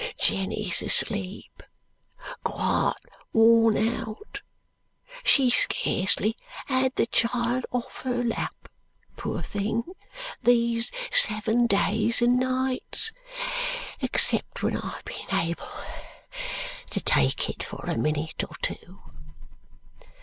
Jenny's asleep, quite worn out. She's scarcely had the child off her lap, poor thing, these seven days and nights, except when I've been able to take it for a minute or two."